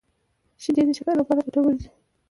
شیدې د شکر لپاره ګټورې دي